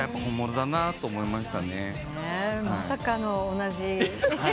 まさかの同じ。